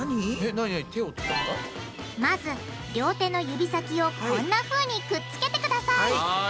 まず両手の指先をこんなふうにくっつけてください。